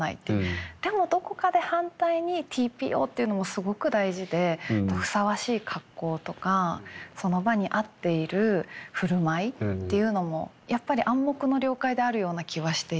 でもどこかで反対にＴＰＯっていうのもすごく大事でふさわしい格好とかその場に合っているふるまいっていうのもやっぱり暗黙の了解であるような気はしていて。